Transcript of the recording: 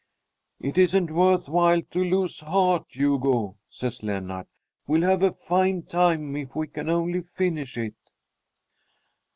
"It isn't worth while to lose heart, Hugo," says Lennart. "We'll have a fine time if we can only finish it!"